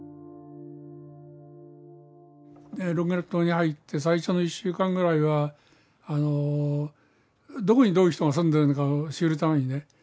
ロンゲラップ島に入って最初の１週間ぐらいはあのどこにどういう人が住んでるのかを知るためにね